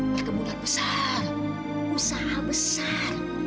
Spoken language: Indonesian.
perkembangan besar usaha besar